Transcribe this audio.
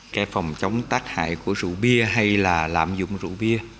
cái phòng chống tác hại của rượu bia hay là lạm dụng rượu bia